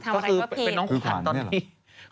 ก็คือทำอะไรก็ผิดคือขวัญนี่หรอ